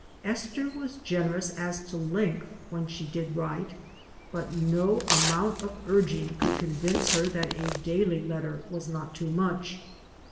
Esther was generous as to length when she did write, but no amount of urging could convince her that a daily letter was not too much.